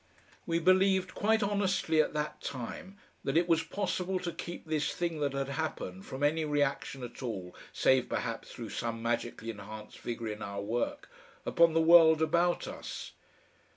We believed quite honestly at that time that it was possible to keep this thing that had happened from any reaction at all, save perhaps through some magically enhanced vigour in our work, upon the world about us!